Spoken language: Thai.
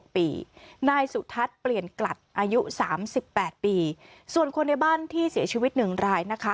นายสุทัศน์เปลี่ยนกลัดอายุ๓๘ปีส่วนคนในบ้านที่เสียชีวิต๑รายนะคะ